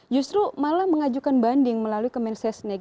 justru malah mengajukan banding melalui kementerian setnek